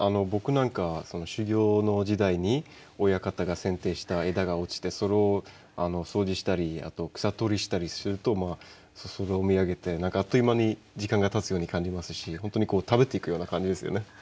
僕なんか修業の時代に親方が剪定した枝が落ちてそれを掃除したり草取りしたりするとまあ空を見上げて何かあっという間に時間がたつように感じますし本当にこう食べていくような感じですよね